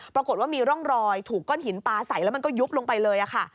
ปรากฏว่ามีร่องรอยถูกก้อนหินปลาใส่แล้วมันก็ยุบลงไปเลยค่ะ